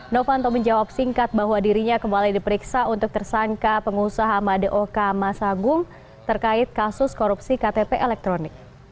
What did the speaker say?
novanto menjawab singkat bahwa dirinya kembali diperiksa untuk tersangka pengusaha madaoka masagung terkait kasus korupsi ktp elektronik